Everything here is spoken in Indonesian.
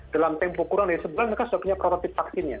dalam tempo kurang dari sebulan mereka sudah punya prototip vaksinnya